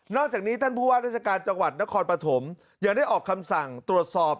จากนี้ท่านผู้ว่าราชการจังหวัดนครปฐมยังได้ออกคำสั่งตรวจสอบ